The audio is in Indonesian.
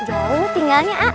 jauh tinggalnya a